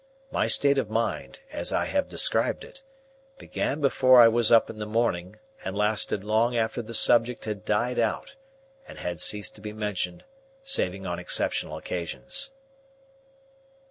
My state of mind, as I have described it, began before I was up in the morning, and lasted long after the subject had died out, and had ceased to be mentioned saving on exceptional occasions.